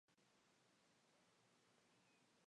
Sus padres tuvieron diez hijos.